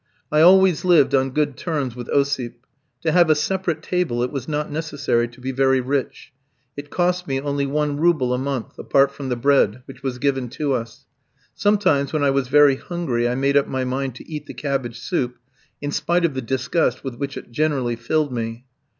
I always lived on good terms with Osip. To have a separate table it was not necessary to be very rich; it cost me only one rouble a month apart from the bread, which was given to us. Sometimes when I was very hungry I made up my mind to eat the cabbage soup, in spite of the disgust with which it generally filled me.